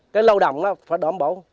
cái lâu động đó phải đảm bảo